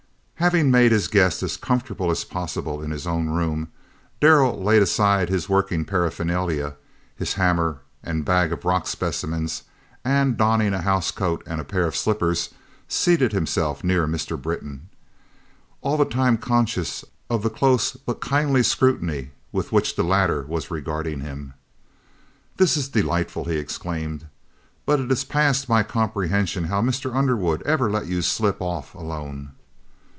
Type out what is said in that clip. Having made his guest as comfortable as possible in his own room, Darrell laid aside his working paraphernalia, his hammer, and bag of rock specimens, and donning a house coat and pair of slippers seated himself near Mr. Britton, all the time conscious of the close but kindly scrutiny with which the latter was regarding him. "This is delightful!" he exclaimed; "but it is past my comprehension how Mr. Underwood ever let you slip off alone!"